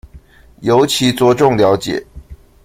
尤其著重了解